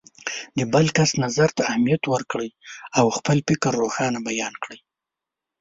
د بل کس نظر ته اهمیت ورکړئ او خپل فکر روښانه بیان کړئ.